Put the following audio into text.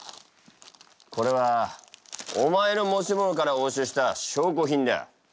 これはお前の持ち物から押収した証拠品だ。